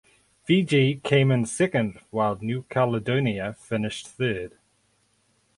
Fiji came in second while New Caledonia finished third.